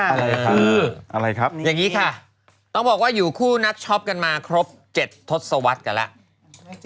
อะไรคะอะไรครับอย่างนี้ค่ะต้องบอกว่าอยู่คู่นัดช็อปกันมาครบ๗ทศวรรษกันแล้ว